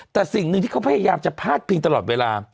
แต่สิ่งหนึ่งที่เขาพยายามจะพาดพิงตลอดเวลา